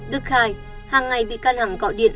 đức khai hàng ngày bị can hằng gọi điện